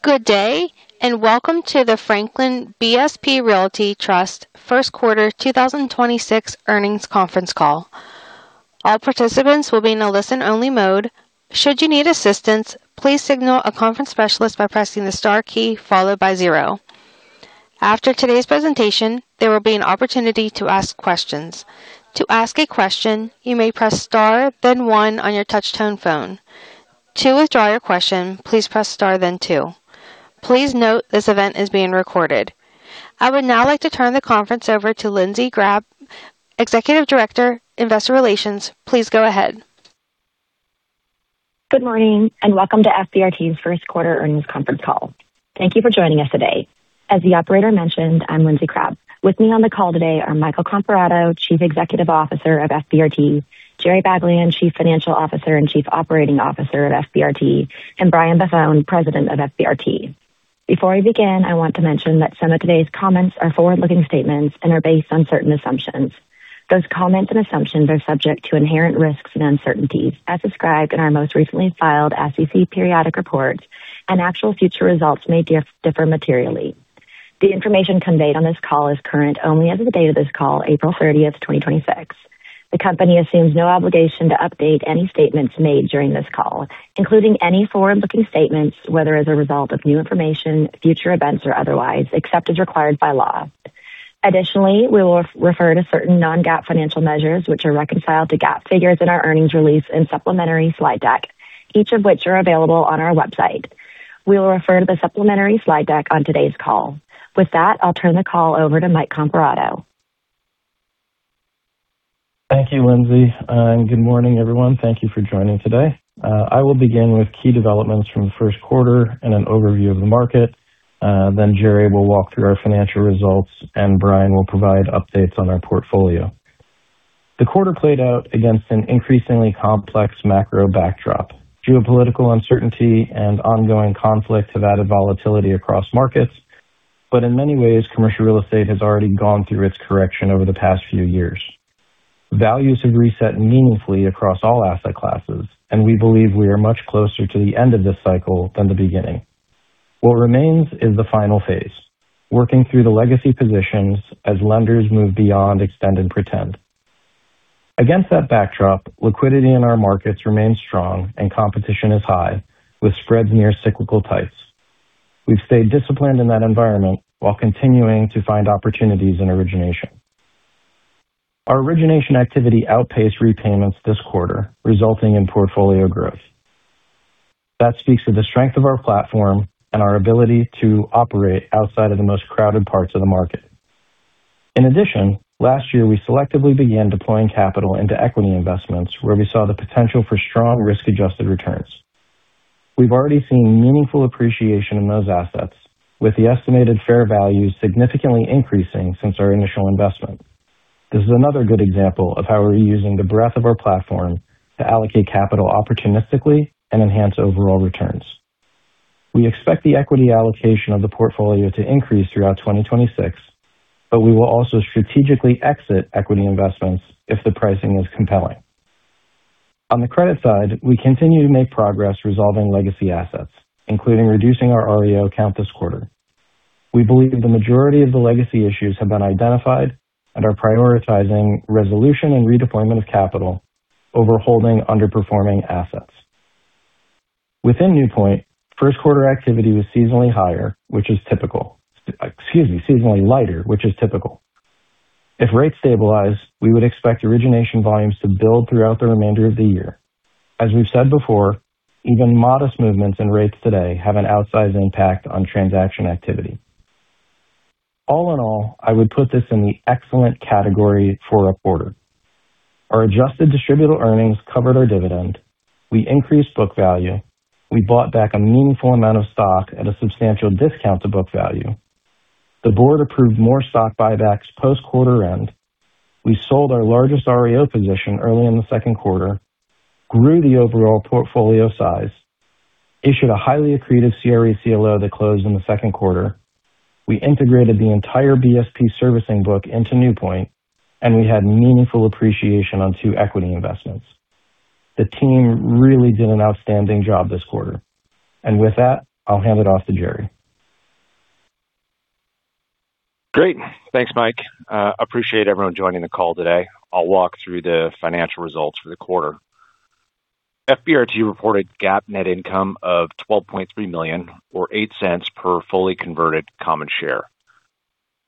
Good day, and welcome to the Franklin BSP Realty Trust first quarter 2026 earnings conference call. After today's presentation, there will be an opportunity to ask questions. Please note this event is being recorded. I would now like to turn the conference over to Lindsey Crabbe, Executive Director, Investor Relations. Please go ahead. Good morning, welcome to FBRT's first quarter earnings conference call. Thank you for joining us today. As the operator mentioned, I'm Lindsey Crabbe. With me on the call today are Michael Comparato, Chief Executive Officer of FBRT, Jerry Baglien, Chief Financial Officer and Chief Operating Officer of FBRT, and Brian Buffone, President of FBRT. Before we begin, I want to mention that some of today's comments are forward-looking statements and are based on certain assumptions. Those comments and assumptions are subject to inherent risks and uncertainties as described in our most recently filed SEC periodic reports and actual future results may differ materially. The information conveyed on this call is current only as of the date of this call, April 30th, 2026. The company assumes no obligation to update any statements made during this call, including any forward-looking statements, whether as a result of new information, future events or otherwise, except as required by law. Additionally, we will refer to certain non-GAAP financial measures which are reconciled to GAAP figures in our earnings release and supplementary slide deck, each of which are available on our website. We will refer to the supplementary slide deck on today's call. With that, I'll turn the call over to Mike Comparato. Thank you, Lindsey. Good morning, everyone. Thank you for joining today. I will begin with key developments from the first quarter and an overview of the market. Jerry will walk through our financial results, Brian will provide updates on our portfolio. The quarter played out against an increasingly complex macro backdrop. Geopolitical uncertainty and ongoing conflict have added volatility across markets, in many ways, commercial real estate has already gone through its correction over the past few years. Values have reset meaningfully across all asset classes, we believe we are much closer to the end of this cycle than the beginning. What remains is the final phase, working through the legacy positions as lenders move beyond extend and pretend. Against that backdrop, liquidity in our markets remains strong and competition is high, with spreads near cyclical tights. We've stayed disciplined in that environment while continuing to find opportunities in origination. Our origination activity outpaced repayments this quarter, resulting in portfolio growth. That speaks to the strength of our platform and our ability to operate outside of the most crowded parts of the market. In addition, last year, we selectively began deploying capital into equity investments where we saw the potential for strong risk-adjusted returns. We've already seen meaningful appreciation in those assets, with the estimated fair value significantly increasing since our initial investment. This is another good example of how we're using the breadth of our platform to allocate capital opportunistically and enhance overall returns. We expect the equity allocation of the portfolio to increase throughout 2026, but we will also strategically exit equity investments if the pricing is compelling. On the credit side, we continue to make progress resolving legacy assets, including reducing our REO count this quarter. We believe the majority of the legacy issues have been identified and are prioritizing resolution and redeployment of capital over holding underperforming assets. Within NewPoint, first quarter activity was seasonally lighter, which is typical. If rates stabilize, we would expect origination volumes to build throughout the remainder of the year. As we've said before, even modest movements in rates today have an outsized impact on transaction activity. All in all, I would put this in the excellent category for a quarter. Our adjusted Distributable Earnings covered our dividend. We increased book value. We bought back a meaningful amount of stock at a substantial discount to book value. The board approved more stock buybacks post-quarter end. We sold our largest REO position early in the second quarter, grew the overall portfolio size, issued a highly accretive CRE CLO that closed in the second quarter. We integrated the entire BSP servicing book into NewPoint, and we had meaningful appreciation on two equity investments. The team really did an outstanding job this quarter. With that, I'll hand it off to Jerry. Great. Thanks Mike. Appreciate everyone joining the call today. I'll walk through the financial results for the quarter. FBRT reported GAAP net income of $12.3 million or $0.08 per fully converted common share.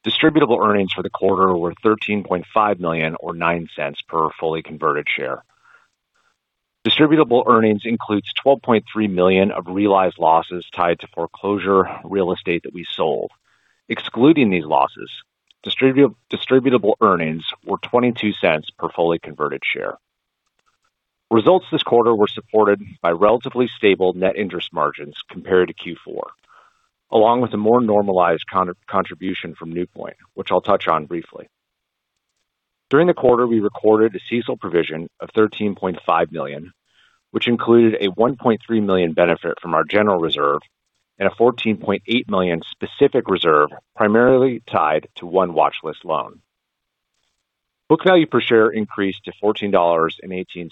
Distributable earnings for the quarter were $13.5 million or $0.09 per fully converted share. Distributable earnings includes $12.3 million of realized losses tied to foreclosure real estate that we sold. Excluding these losses, Distributable earnings were $0.22 per fully converted share. Results this quarter were supported by relatively stable net interest margins compared to Q4, along with a more normalized contribution from NewPoint, which I'll touch on briefly. During the quarter, we recorded a CECL provision of $13.5 million, which included a $1.3 million benefit from our general reserve and a $14.8 million specific reserve primarily tied to one watch list loan. Book value per share increased to $14.18,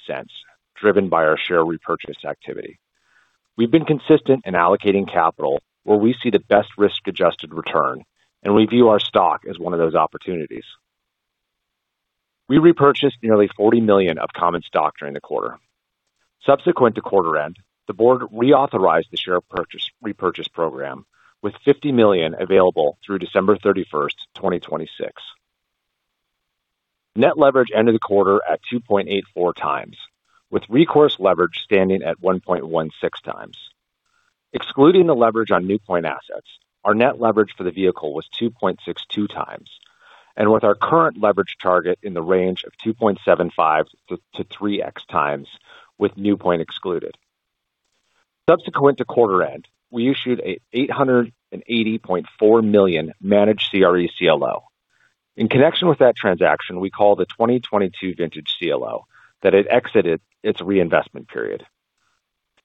driven by our share repurchase activity. We've been consistent in allocating capital where we see the best risk-adjusted return, and we view our stock as one of those opportunities. We repurchased nearly $40 million of common stock during the quarter. Subsequent to quarter end, the board reauthorized the share repurchase program with $50 million available through December 31st, 2026. Net leverage ended the quarter at 2.84x, with recourse leverage standing at 1.16x. Excluding the leverage on NewPoint assets, our net leverage for the vehicle was 2.62x. With our current leverage target in the range of 2.75x to 3x with NewPoint excluded. Subsequent to quarter end, we issued a $880.4 million managed CRE CLO. In connection with that transaction, we call the 2022 vintage CLO that it exited its reinvestment period.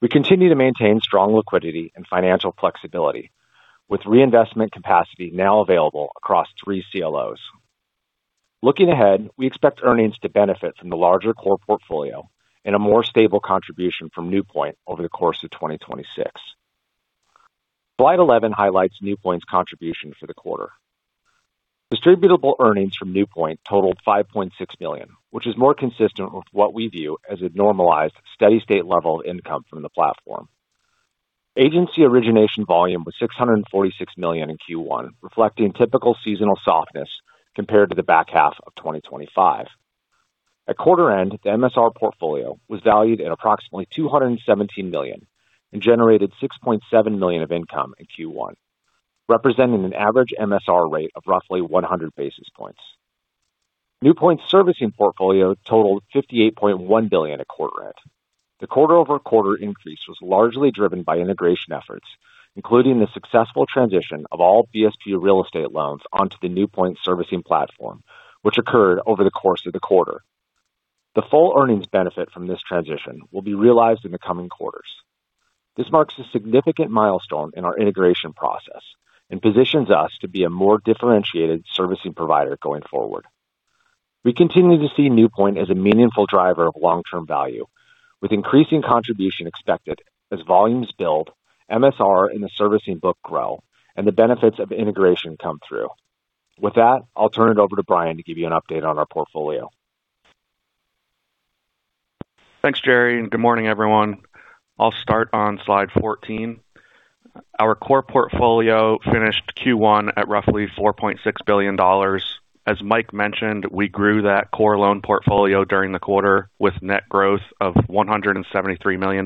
We continue to maintain strong liquidity and financial flexibility, with reinvestment capacity now available across three CLOs. Looking ahead, we expect earnings to benefit from the larger core portfolio and a more stable contribution from NewPoint over the course of 2026. Slide 11 highlights NewPoint's contribution for the quarter. Distributable earnings from NewPoint totaled $5.6 million, which is more consistent with what we view as a normalized steady-state level of income from the platform. Agency origination volume was $646 million in Q1, reflecting typical seasonal softness compared to the back half of 2025. At quarter end, the MSR portfolio was valued at approximately $217 million and generated $6.7 million of income in Q1, representing an average MSR rate of roughly 100 basis points. NewPoint's servicing portfolio totaled $58.1 billion at quarter end. The quarter-over-quarter increase was largely driven by integration efforts, including the successful transition of all BSP real estate loans onto the NewPoint servicing platform, which occurred over the course of the quarter. The full earnings benefit from this transition will be realized in the coming quarters. This marks a significant milestone in our integration process and positions us to be a more differentiated servicing provider going forward. We continue to see NewPoint as a meaningful driver of long-term value, with increasing contribution expected as volumes build, MSR and the servicing book grow, and the benefits of integration come through. With that, I'll turn it over to Brian to give you an update on our portfolio. Thanks, Jerry, and good morning, everyone. I'll start on slide 14. Our core portfolio finished Q1 at roughly $4.6 billion. As Mike mentioned, we grew that core loan portfolio during the quarter with net growth of $173 million.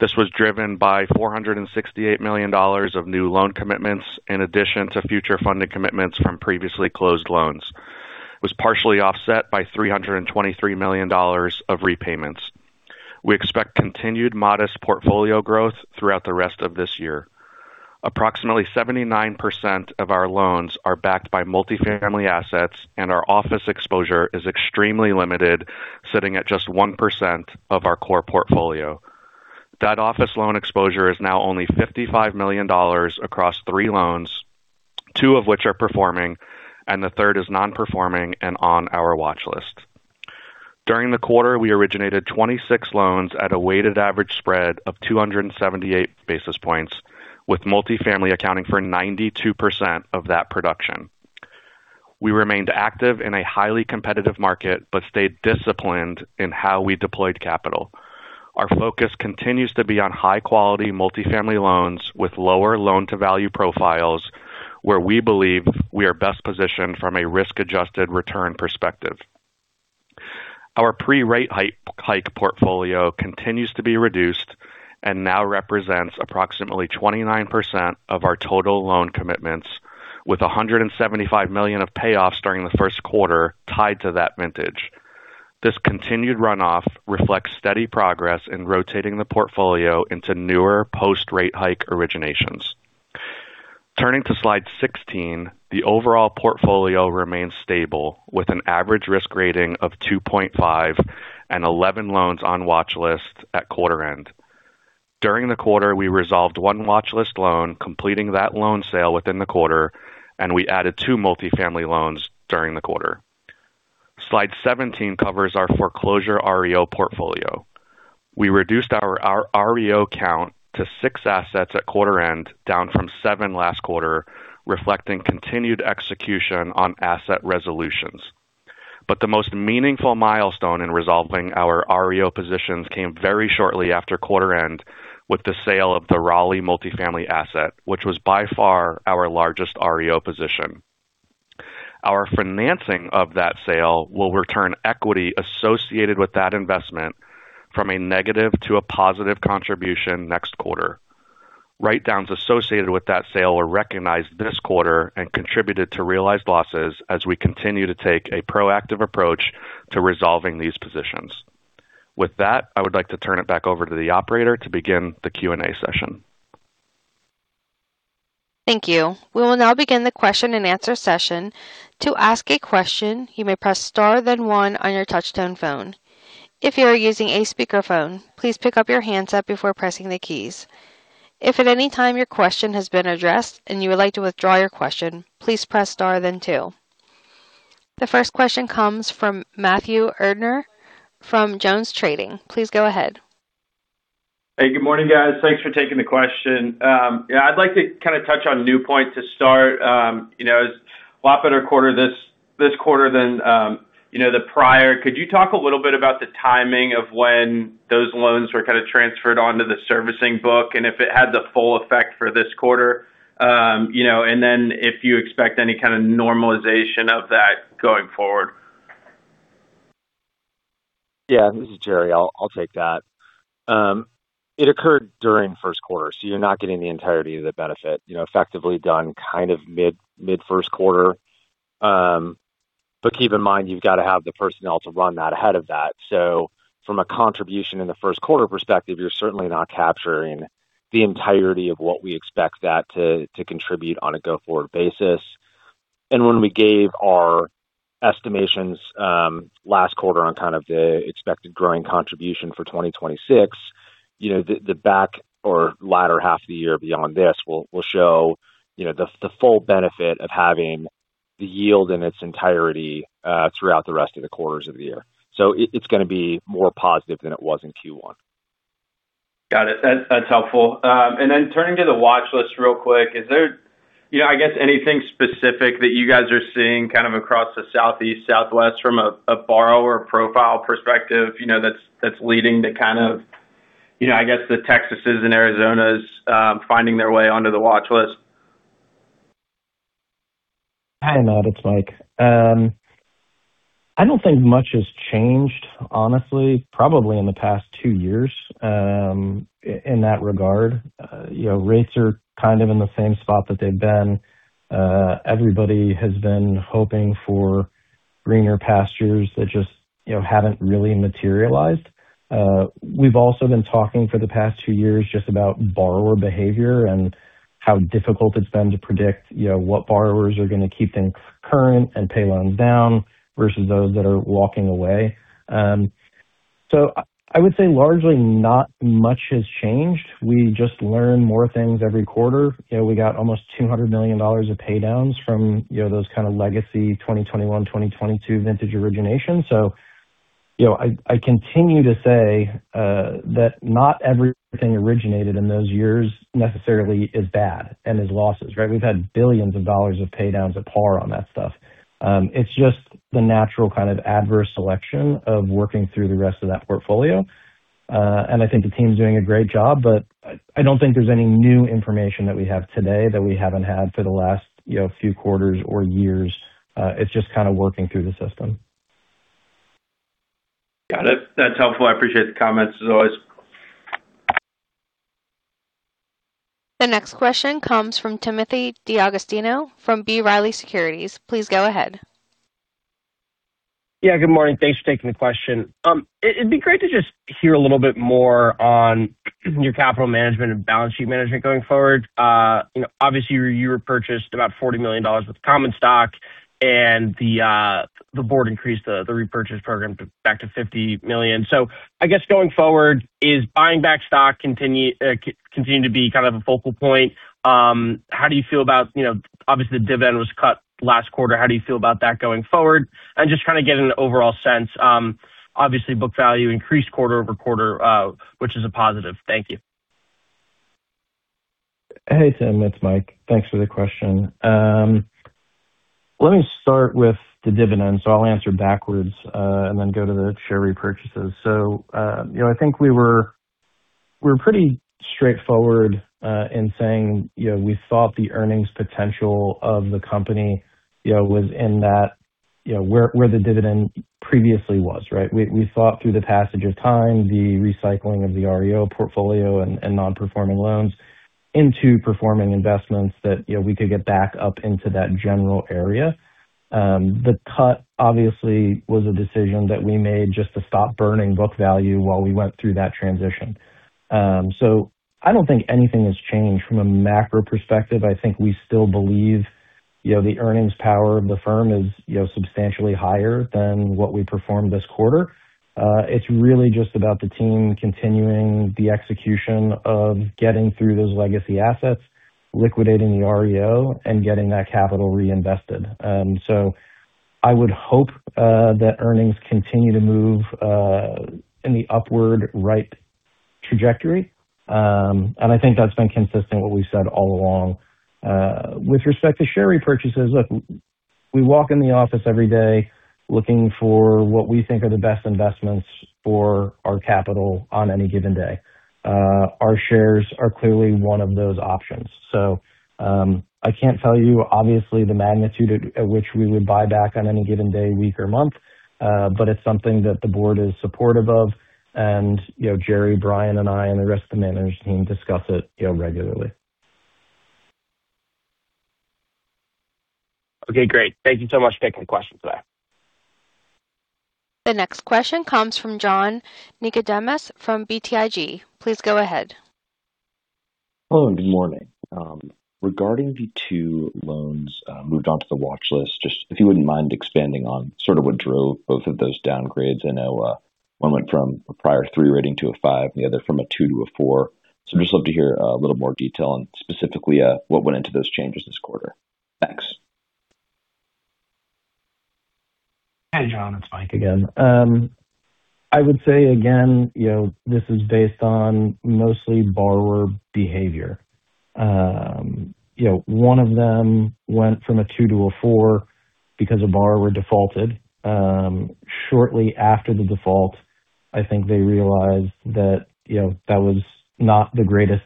This was driven by $468 million of new loan commitments in addition to future funding commitments from previously closed loans. It was partially offset by $323 million of repayments. We expect continued modest portfolio growth throughout the rest of this year. Approximately 79% of our loans are backed by multifamily assets, and our office exposure is extremely limited, sitting at just 1% of our core portfolio. That office loan exposure is now only $55 million across three loans, two of which are performing, and the third is non-performing and on our watch list. During the quarter, we originated 26 loans at a weighted average spread of 278 basis points, with multifamily accounting for 92% of that production. We remained active in a highly competitive market but stayed disciplined in how we deployed capital. Our focus continues to be on high-quality multifamily loans with lower loan-to-value profiles, where we believe we are best positioned from a risk-adjusted return perspective. Our pre-rate hike portfolio continues to be reduced and now represents approximately 29% of our total loan commitments, with $175 million of payoffs during the first quarter tied to that vintage. This continued runoff reflects steady progress in rotating the portfolio into newer post-rate hike originations. Turning to slide 16, the overall portfolio remains stable, with an average risk rating of 2.5 and 11 loans on watch list at quarter end. During the quarter, we resolved one watch list loan, completing that loan sale within the quarter, and we added two multifamily loans during the quarter. Slide 17 covers our foreclosure REO portfolio. We reduced our REO count to six assets at quarter end, down from seven last quarter, reflecting continued execution on asset resolutions. The most meaningful milestone in resolving our REO positions came very shortly after quarter end with the sale of the Raleigh multifamily asset, which was by far our largest REO position. Our financing of that sale will return equity associated with that investment from a negative to a positive contribution next quarter. Write-downs associated with that sale were recognized this quarter and contributed to realized losses as we continue to take a proactive approach to resolving these positions. With that, I would like to turn it back over to the operator to begin the Q&A session. Thank you. We will now begin the question-and-answer session. The first question comes from Matthew Erdner from JonesTrading. Please go ahead. Hey, good morning, guys. Thanks for taking the question. Yeah, I'd like to kinda touch on NewPoint to start. You know, it was a lot better quarter this quarter than, you know, the prior. Could you talk a little bit about the timing of when those loans were kinda transferred onto the servicing book, and if it had the full effect for this quarter? You know, if you expect any kind of normalization of that going forward. Yeah, this is Jerry. I'll take that. It occurred during the first quarter, so you're not getting the entirety of the benefit. You know, effectively done kind of mid-first quarter. Keep in mind, you've gotta have the personnel to run that ahead of that. From a contribution in the first quarter perspective, you're certainly not capturing the entirety of what we expect that to contribute on a go-forward basis. When we gave our estimations last quarter on kind of the expected growing contribution for 2026, you know, the back or latter half of the year beyond this will show, you know, the full benefit of having the yield in its entirety throughout the rest of the quarters of the year. It's gonna be more positive than it was in Q1. Got it. That's helpful. Turning to the watchlist real quick, is there, you know, I guess anything specific that you guys are seeing kind of across the southeast, southwest from a borrower profile perspective, you know, that's leading to kind of, you know, I guess the Texas and Arizona finding their way onto the watchlist? Hi, Matt, it's Mike. I don't think much has changed, honestly, probably in the past two years in that regard. You know, rates are kind of in the same spot that they've been. Everybody has been hoping for greener pastures that just, you know, haven't really materialized. We've also been talking for the past two years just about borrower behavior and how difficult it's been to predict, you know, what borrowers are gonna keep things current and pay loans down versus those that are walking away. I would say largely not much has changed. We just learn more things every quarter. You know, we got almost $200 million of paydowns from, you know, those kinda legacy 2021, 2022 vintage originations. You know, I continue to say that not everything originated in those years necessarily is bad and is losses, right? We've had billions of dollars of paydowns at par on that stuff. It's just the natural kind of adverse selection of working through the rest of that portfolio. I think the team's doing a great job, but I don't think there's any new information that we have today that we haven't had for the last, you know, few quarters or years. It's just kinda working through the system. Got it. That's helpful. I appreciate the comments as always. The next question comes from Timothy D'Agostino from B. Riley Securities. Please go ahead. Yeah, good morning. Thanks for taking the question. It'd be great to just hear a little bit more on your capital management and balance sheet management going forward. You know, obviously you repurchased about $40 million with common stock and the board increased the repurchase program back to $50 million. I guess going forward, is buying back stock continuing to be kind of a focal point? How do you feel about, you know, obviously the dividend was cut last quarter. How do you feel about that going forward? Just trying to get an overall sense. Obviously book value increased quarter-over-quarter, which is a positive. Thank you. Hey, Tim, it's Mike. Thanks for the question. Let me start with the dividend. I'll answer backwards, and then go to the share repurchases. You know, I think we were pretty straightforward in saying, you know, we thought the earnings potential of the company, you know, was in that where the dividend previously was, right? We thought through the passage of time, the recycling of the REO portfolio and non-performing loans into performing investments that, you know, we could get back up into that general area. The cut obviously was a decision that we made just to stop burning book value while we went through that transition. I don't think anything has changed from a macro perspective. I think we still believe, you know, the earnings power of the firm is, you know, substantially higher than what we performed this quarter. It's really just about the team continuing the execution of getting through those legacy assets, liquidating the REO, and getting that capital reinvested. I would hope that earnings continue to move in the upward right trajectory. I think that's been consistent what we've said all along. With respect to share repurchases, look, we walk in the office every day looking for what we think are the best investments for our capital on any given day. Our shares are clearly one of those options. I can't tell you obviously the magnitude at which we would buy back on any given day, week, or month. It's something that the board is supportive of and, you know, Jerry, Brian, and I, and the rest of the management team discuss it, you know, regularly. Okay, great. Thank you so much for taking the question today. The next question comes from John Nicodemus from BTIG. Please go ahead. Hello, and good morning. Regarding the two loans moved on to the watchlist, just if you wouldn't mind expanding on sort of what drove both of those downgrades. I know one went from a prior 3 rating to a 5 and the other from a 2 to a 4. I'd just love to hear a little more detail on specifically what went into those changes this quarter. Thanks. Hey, John, it's Mike again. I would say again, you know, this is based on mostly borrower behavior. You know, one of them went from a 2 to a 4 because a borrower defaulted. Shortly after the default, I think they realized that, you know, that was not the greatest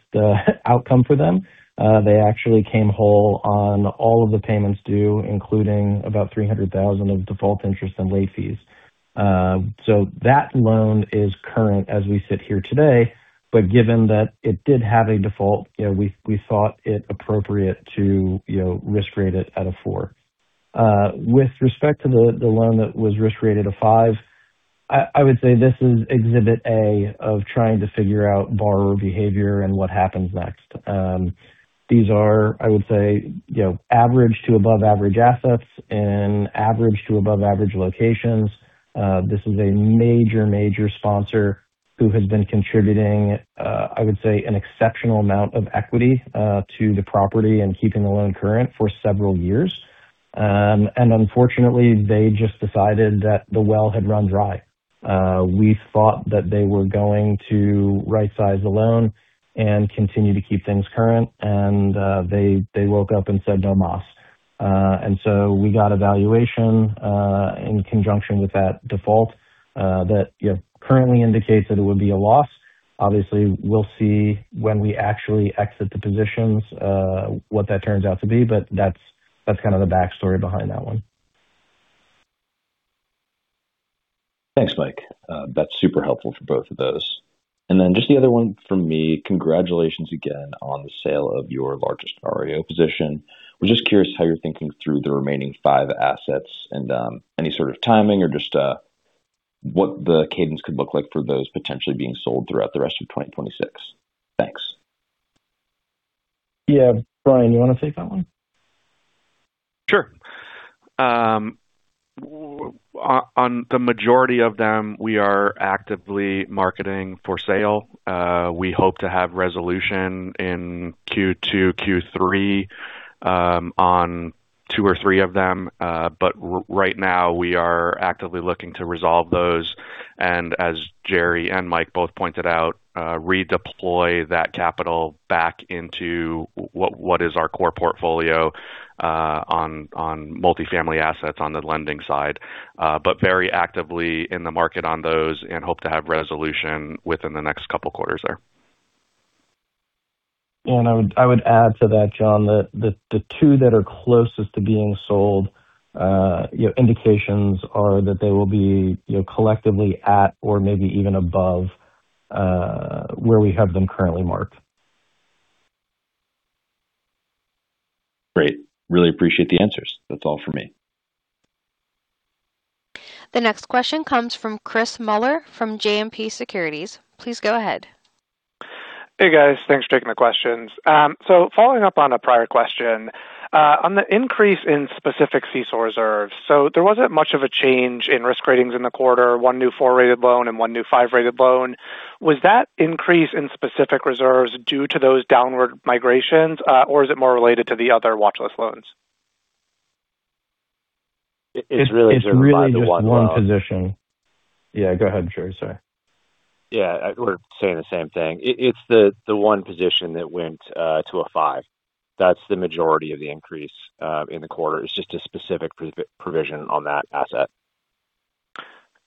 outcome for them. They actually came whole on all of the payments due, including about $300,000 of default interest and late fees. That loan is current as we sit here today, but given that it did have a default, you know, we thought it appropriate to, you know, risk rate it at a 4. With respect to the loan that was risk rated a 5, I would say this is exhibit A of trying to figure out borrower behavior and what happens next. These are, I would say, you know, average to above average assets and average to above average locations. This is a major sponsor who has been contributing, I would say, an exceptional amount of equity to the property and keeping the loan current for several years. Unfortunately, they just decided that the well had run dry. We thought that they were going to rightsize the loan and continue to keep things current, and they woke up and said, "No mas." So we got a valuation in conjunction with that default that, you know, currently indicates that it would be a loss. Obviously, we'll see when we actually exit the positions, what that turns out to be, but that's kind of the backstory behind that one. Thanks, Mike. That's super helpful for both of those. Just the other one from me, congratulations again on the sale of your largest REO position. Was just curious how you're thinking through the remaining five assets and any sort of timing or just what the cadence could look like for those potentially being sold throughout the rest of 2026. Thanks. Yeah. Brian, you wanna take that one? Sure. On the majority of them, we are actively marketing for sale. We hope to have resolution in Q2, Q3, on two or three of them. Right now we are actively looking to resolve those and as Jerry and Mike both pointed out, redeploy that capital back into what is our core portfolio, on multifamily assets on the lending side. Very actively in the market on those and hope to have resolution within the next couple quarters there. I would add to that, John, that the two that are closest to being sold, you know, indications are that they will be, you know, collectively at or maybe even above where we have them currently marked. Great. Really appreciate the answers. That's all for me. The next question comes from Chris Mueller from JMP Securities. Please go ahead. Hey, guys. Thanks for taking the questions. Following up on a prior question on the increase in specific CECL reserves. There wasn't much of a change in risk ratings in the quarter, 1 new 4-rated loan and 1 new 5-rated loan. Was that increase in specific reserves due to those downward migrations, or is it more related to the other watchlist loans? It's really- It's really just one position. Yeah, go ahead, Jerry. Sorry. Yeah, we're saying the same thing. It's the one position that went to a five. That's the majority of the increase in the quarter. It's just a specific provision on that asset.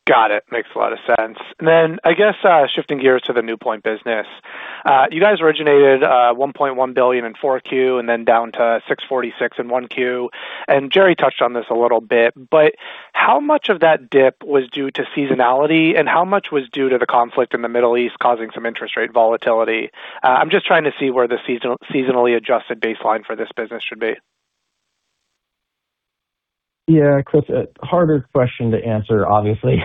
Got it. Makes a lot of sense. Then I guess shifting gears to the NewPoint business. You guys originated $1.1 billion in Q4 and then down to $646 million in Q1. Jerry touched on this a little bit, how much of that dip was due to seasonality, and how much was due to the conflict in the Middle East causing some interest rate volatility? I'm just trying to see where the seasonally adjusted baseline for this business should be. Yeah, Chris, a harder question to answer, obviously.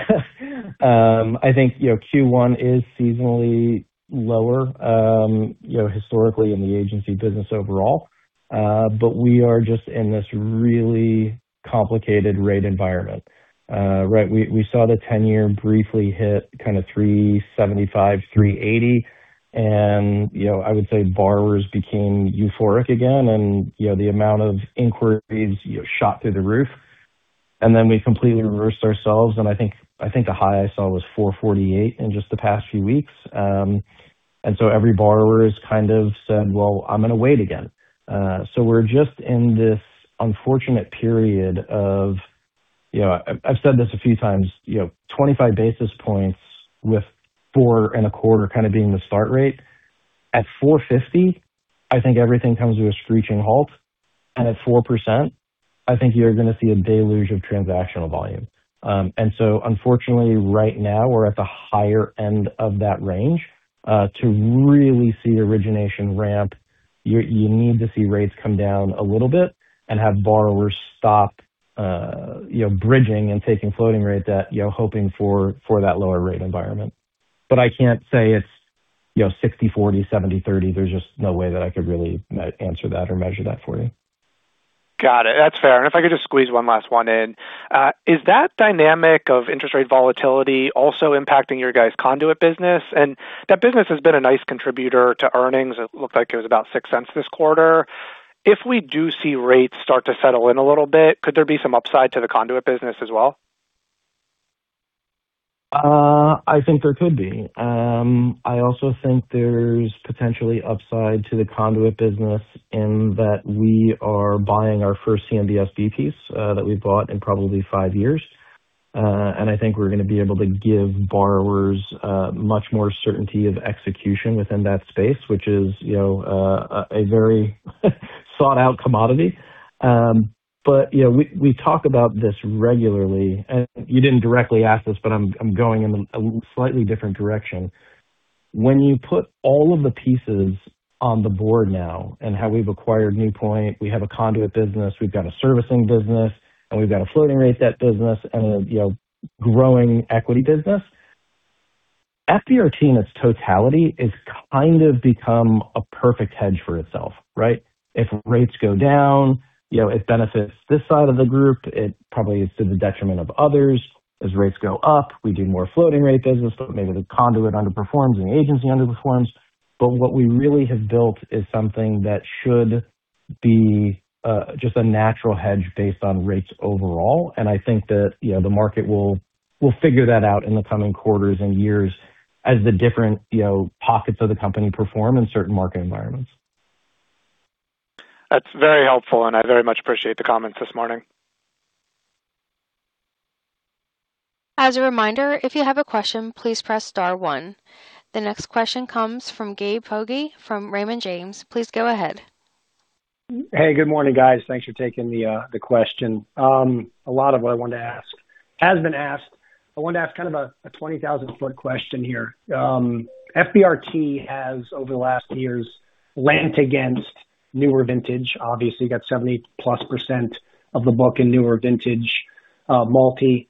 I think, you know, Q1 is seasonally lower, you know, historically in the Agency business overall. We are just in this really complicated rate environment. Right, we saw the 10-year briefly hit kinda 3.75%, 3.80%. You know, I would say borrowers became euphoric again. You know, the amount of inquiries, you know, shot through the roof. We completely reversed ourselves. I think, I think the high I saw was 4.48% in just the past few weeks. Every borrower has kind of said, "Well, I'm gonna wait again." We're just in this unfortunate period of, you know, I-I've said this a few times, you know, 25 basis points with 4.25% kinda being the start rate. At 4.50%, I think everything comes to a screeching halt. At 4%, I think you're gonna see a deluge of transactional volume. Unfortunately, right now we're at the higher end of that range. To really see origination ramp, you need to see rates come down a little bit and have borrowers stop, you know, bridging and taking floating rate debt, you know, hoping for that lower rate environment. I can't say it's, you know, 60/40, 70/30. There's just no way that I could really answer that or measure that for you. Got it. That's fair. If I could just squeeze one last one in. Is that dynamic of interest rate volatility also impacting your guys' conduit business? That business has been a nice contributor to earnings. It looked like it was about $0.06 this quarter. If we do see rates start to settle in a little bit, could there be some upside to the conduit business as well? I think there could be. I also think there's potentially upside to the conduit business in that we are buying our first CMBS B-piece that we've bought in probably five years. I think we're gonna be able to give borrowers much more certainty of execution within that space, which is, you know, a very sought out commodity. You know, we talk about this regularly, and you didn't directly ask this, but I'm going in a slightly different direction. When you put all of the pieces on the board now and how we've acquired NewPoint, we have a conduit business, we've got a servicing business, and we've got a floating rate debt business and a, you know, growing equity business. FBRT in its totality has kind of become a perfect hedge for itself, right? If rates go down, you know, it benefits this side of the group. It probably is to the detriment of others. As rates go up, we do more floating rate business, so maybe the Conduit underperforms and the Agency underperforms. What we really have built is something that should be just a natural hedge based on rates overall. I think that, you know, the market will figure that out in the coming quarters and years as the different, you know, pockets of the company perform in certain market environments. That's very helpful, and I very much appreciate the comments this morning. As a reminder, if you have a question, please press star one. The next question comes from Gabe Poggi from Raymond James. Please go ahead. Hey, good morning, guys. Thanks for taking the question. A lot of what I wanted to ask has been asked. I wanted to ask kind of a 20,000-foot question here. FBRT has, over the last years, lent against newer vintage. Obviously, you got 70%+ of the book in newer vintage multi.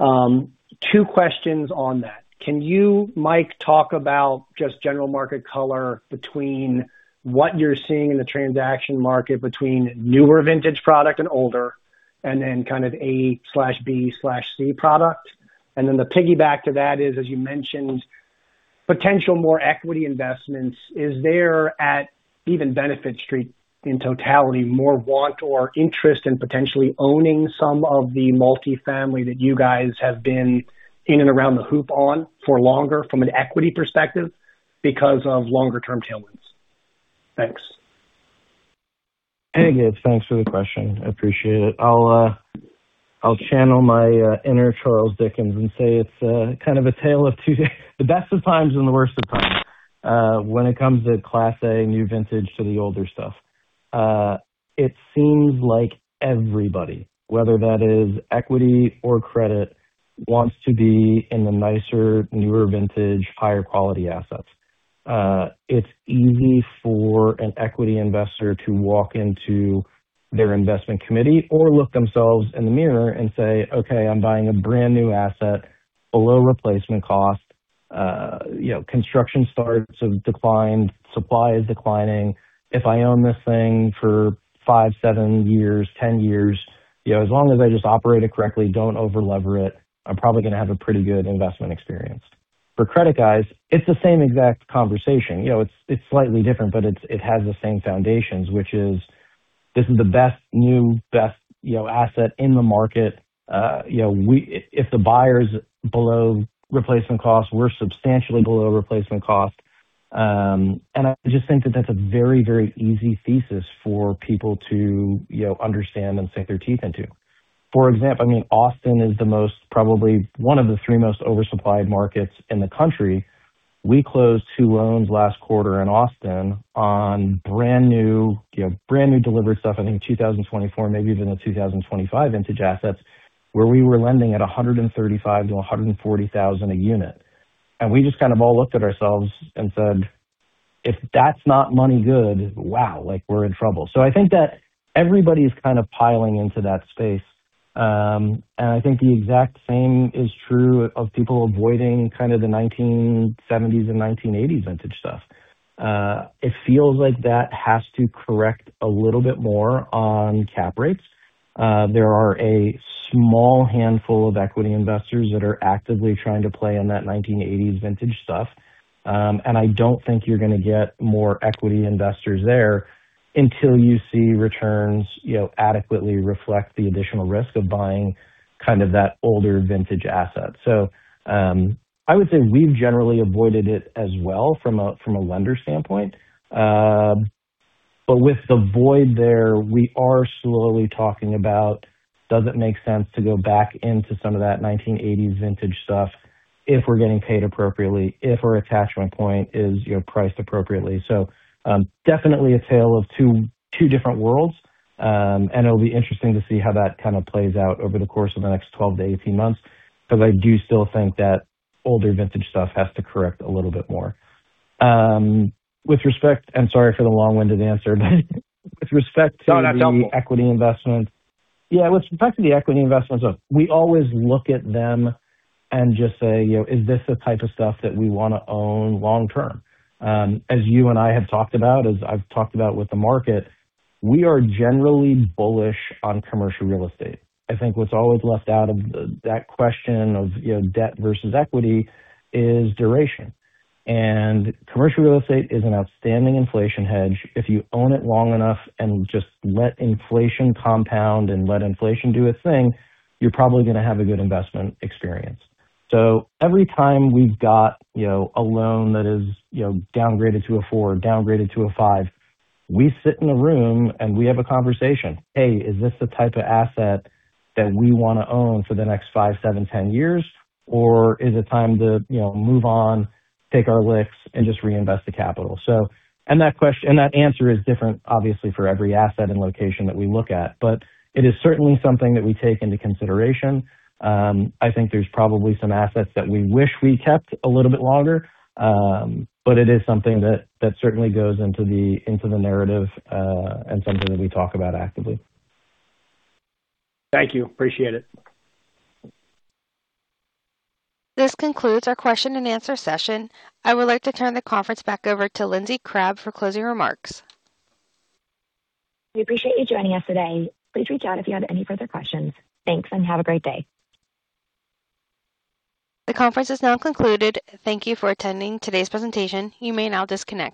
Two questions on that. Can you, Mike, talk about just general market color between what you're seeing in the transaction market between newer vintage product and older, and then kind of A/B/C product? The piggyback to that is, as you mentioned, potential more equity investments. Is there at even Benefit Street in totality more want or interest in potentially owning some of the multifamily that you guys have been in and around the hoop on for longer from an equity perspective because of longer term tailwinds? Thanks. Hey, Gabe. Thanks for the question. I appreciate it. I'll channel my inner Charles Dickens and say it's kind of a tale of two the best of times and the worst of times, when it comes to Class A new vintage to the older stuff. It seems like everybody, whether that is equity or credit, wants to be in the nicer, newer vintage, higher quality assets. It's easy for an equity investor to walk into their investment committee or look themselves in the mirror and say, "Okay, I'm buying a brand-new asset below replacement cost. You know, construction starts have declined, supply is declining. If I own this thing for five, seven years, 10 years, you know, as long as I just operate it correctly, don't over-lever it, I'm probably gonna have a pretty good investment experience. For credit guys, it's the same exact conversation. You know, it's slightly different, but it's, it has the same foundations, which is this is the best new, best, you know, asset in the market. You know, if the buyer's below replacement cost, we're substantially below replacement cost. I just think that that's a very, very easy thesis for people to, you know, understand and sink their teeth into. For example, I mean, Austin is the most, probably one of the three most oversupplied markets in the country. We closed two loans last quarter in Austin on brand-new, you know, brand-new delivered stuff, I think 2024, maybe even the 2025 vintage assets, where we were lending at $135,000-$140,000 a unit. We just kind of all looked at ourselves and said, "If that's not money good, wow, like, we're in trouble." I think that everybody's kind of piling into that space. I think the exact same is true of people avoiding kind of the 1970s and 1980s vintage stuff. It feels like that has to correct a little bit more on cap rates. There are a small handful of equity investors that are actively trying to play in that 1980s vintage stuff. I don't think you're gonna get more equity investors there until you see returns, you know, adequately reflect the additional risk of buying kind of that older vintage asset. I would say we've generally avoided it as well from a lender standpoint. With the void there, we are slowly talking about does it make sense to go back into some of that 1980s vintage stuff if we're getting paid appropriately, if our attachment point is, you know, priced appropriately. Definitely a tale of two different worlds. It'll be interesting to see how that kind of plays out over the course of the next 12-18 months, because I do still think that older vintage stuff has to correct a little bit more. Sorry for the long-winded answer, but with respect to. No, not at all. The equity investment. Yeah, with respect to the equity investment stuff, we always look at them and just say, you know, "Is this the type of stuff that we wanna own long term?" As you and I have talked about, as I've talked about with the market, we are generally bullish on commercial real estate. I think what's always left out of that question of, you know, debt versus equity is duration. Commercial real estate is an outstanding inflation hedge. If you own it long enough and just let inflation compound and let inflation do its thing, you're probably gonna have a good investment experience. Every time we've got, you know, a loan that is, you know, downgraded to a 4, downgraded to a 5, we sit in a room, and we have a conversation. Hey, is this the type of asset that we wanna own for the next five, seven, 10 years? Or is it time to, you know, move on, take our licks, and just reinvest the capital?" That answer is different obviously for every asset and location that we look at. It is certainly something that we take into consideration. I think there's probably some assets that we wish we kept a little bit longer. It is something that certainly goes into the narrative and something that we talk about actively. Thank you. Appreciate it. This concludes our question and answer session. I would like to turn the conference back over to Lindsey Crabbe for closing remarks. We appreciate you joining us today. Please reach out if you have any further questions. Thanks, and have a great day. The conference is now concluded. Thank you for attending today's presentation. You may now disconnect.